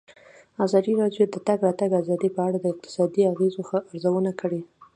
ازادي راډیو د د تګ راتګ ازادي په اړه د اقتصادي اغېزو ارزونه کړې.